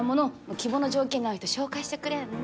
希望の条件に合う人紹介してくれんの。